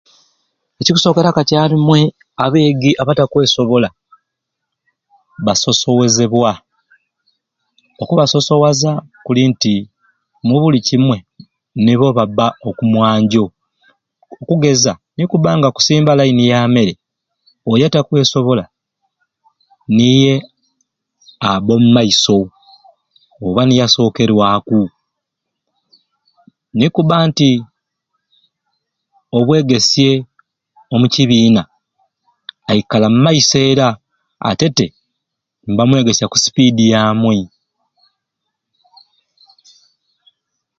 Ekikusokera kakyarumei abeigi abatakwesobola basosowezebwa oku basosowaza juli nti mubuli kimwei nibo baba oku mwanjo okugeza nekuba nga okusumba line ya mmere oyo atakwesobola niye aba omu maiso oba niye asokerwaku nekuba nti obwegesye omu kibiina aikala my maiso era ate te mbamwegesya ku speed yamwei